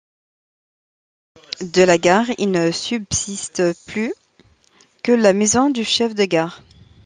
De la gare, il ne subsiste plus que la maison du chef de gare.